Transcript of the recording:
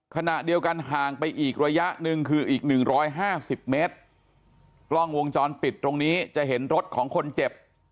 ขณะเดียวกันห่างไปอีกระยะหนึ่งคืออีกหนึ่งร้อยห้าสิบเมตรกล้องวงจรปิดตรงนี้จะเห็นรถของคนเจ็บ